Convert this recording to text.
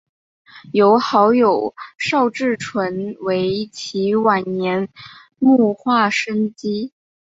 由好友邵志纯为其晚年摹划生计。